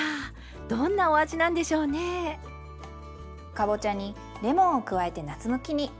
かぼちゃにレモンを加えて夏向きに。